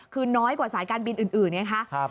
คือน้อยกว่าสายการบินอื่นไงคะ